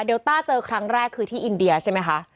ต้าเจอครั้งแรกคือที่อินเดียใช่ไหมคะ